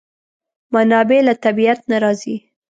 منابع له طبیعت نه راځي.